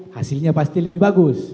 hasilnya pasti lebih bagus